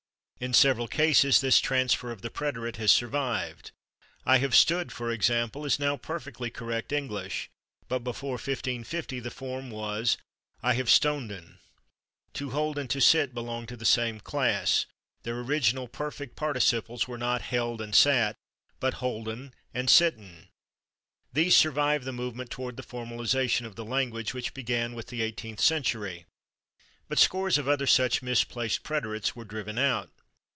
In several cases this transfer of the preterite has survived. "I have /stood/," for example, is now perfectly correct English, but before 1550 the form was "I have /stonden/." /To hold/ and /to sit/ belong to the same class; their original perfect participles were not /held/ and /sat/, but /holden/ and /sitten/. These survived the movement toward the formalization of the language which began with the eighteenth century, but scores of other such misplaced preterites were driven out.